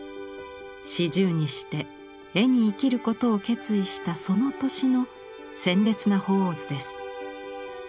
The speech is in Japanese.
４０にして絵に生きることを決意したその年の鮮烈な鳳凰図です。